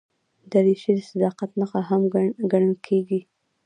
دریشي د صداقت نښه هم ګڼل کېږي.